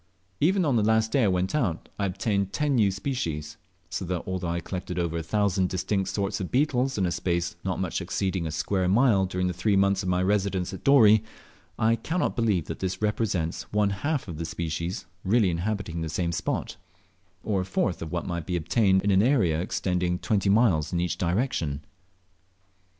Even on the last day I went out, I obtained 10 new species; so that although I collected over a thousand distinct sorts of beetles in a space not much exceeding a square mile during the three months of my residence at Dorey, I cannot believe that this represents one half the species really inhabiting the same spot, or a fourth of what might be obtained in an area extending twenty miles in each direction.